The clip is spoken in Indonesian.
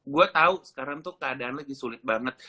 gue tau sekarang tuh keadaan lagi sulit banget